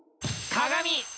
鏡！